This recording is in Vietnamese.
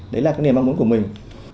đấy là cái niềm mong muốn của mình